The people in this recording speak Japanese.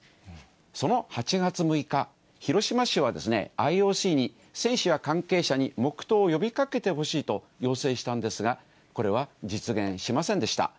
その８月６日、広島市は、ＩＯＣに、選手や関係者に黙とうを呼びかけてほしいと要請したんですが、これは実現しませんでした。